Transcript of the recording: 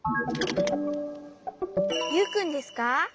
ユウくんですか？